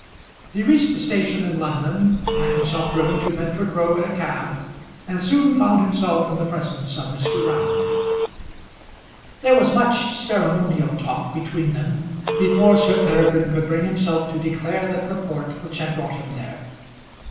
He reached the station in London, had himself driven to Bedford Row in a cab, and soon found himself in the presence of Mr. Round. [Illustration: Sir Peregrine at Mr. Round's office.] There was much ceremonial talk between them before Sir Peregrine could bring himself to declare the purport which had brought him there.